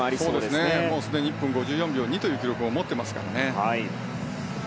すでに１分５４秒２という記録を持っていますからね。